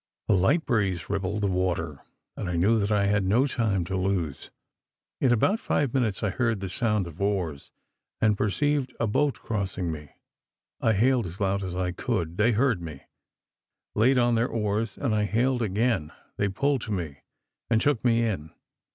A light breeze rippled the water, and I knew that I had no time to lose. In about five minutes I heard the sound of oars, and perceived a boat crossing me. I hailed as loud as I could they heard me; laid on their oars and I hailed again they pulled to me, and took me in.